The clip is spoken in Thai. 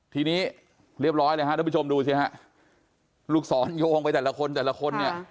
ทีนี้เรียบร้อยเลยฮะท่านผู้ชมดูสิฮะลูกศรโยงไปแต่ละคนแต่ละคนเนี่ย